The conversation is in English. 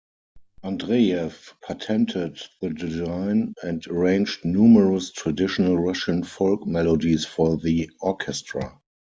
Andreyev patented the design and arranged numerous traditional Russian folk melodies for the orchestra.